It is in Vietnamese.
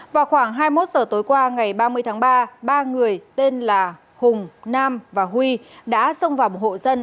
vào khoảng hai mươi một giờ tối qua ngày ba mươi tháng ba ba người tên là hùng nam và huy đã xông vào một hộ dân